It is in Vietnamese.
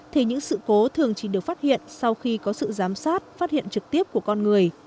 thì những sự cố thường chỉ được phát hiện sau khi có sự giám sát phát hiện trực tiếp của con người